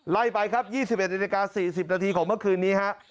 ไล่ไปครับ๒๑นาฬิกา๔๐นาทีของเมื่อคืนนี้ฮะ